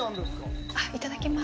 いただきます。